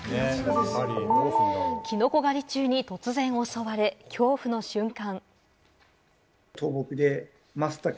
きのこ狩り中に突然襲われ、恐怖の瞬間。